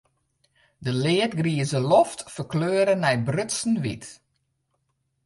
De leadgrize loft ferkleure nei brutsen wyt.